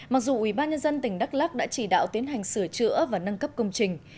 mặc dù ủy ban nhân dân tỉnh đắk lắc đã chỉ đạo tiến hành sửa chữa và nâng cấp công trình